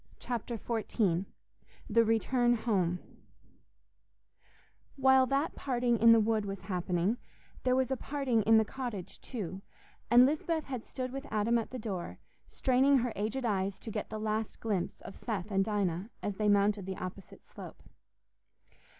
Chapter XIV The Return Home While that parting in the wood was happening, there was a parting in the cottage too, and Lisbeth had stood with Adam at the door, straining her aged eyes to get the last glimpse of Seth and Dinah, as they mounted the opposite slope.